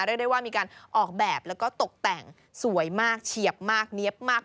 เรียกได้ว่ามีการออกแบบแล้วก็ตกแต่งสวยมากเฉียบมากเนี๊ยบมาก